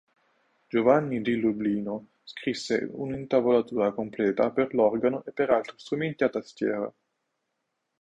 Giovanni di Lublino scrisse un'intavolatura completa per l'organo e per altri strumenti a tastiera.